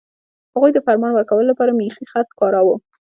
هغوی د فرمان ورکولو لپاره میخي خط کاراوه.